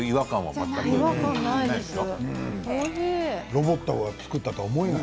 ロボットが作ったとは思えない。